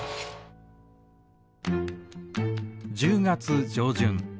１０月上旬。